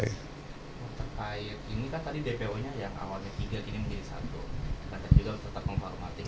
terkait ini kan tadi dpo nya yang awalnya tiga kini menjadi satu dan juga tetap menghormati